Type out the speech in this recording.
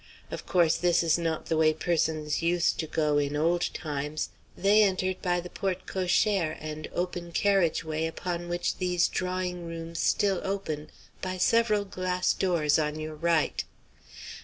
Of course this is not the way persons used to go in old times. They entered by the porte cochère and open carriage way upon which these drawing rooms still open by several glass doors on your right.